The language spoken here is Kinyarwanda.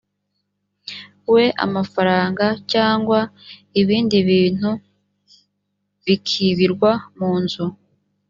we amafaranga cyangwa ibindi bintu k bikibirwa mu nzu